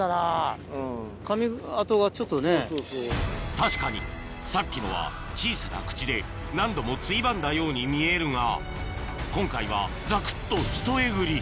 確かにさっきのは小さな口で何度もついばんだように見えるが今回はざくっとひとえぐり